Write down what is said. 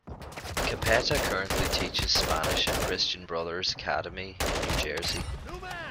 Cappetta currently teaches Spanish at Christian Brothers Academy in New Jersey.